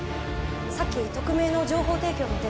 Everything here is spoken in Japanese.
さっき匿名の情報提供の電話が。